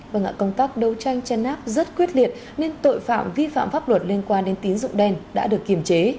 vâng ạ công tác đấu tranh chấn áp rất quyết liệt nên tội phạm vi phạm pháp luật liên quan đến tín dụng đen đã được kiềm chế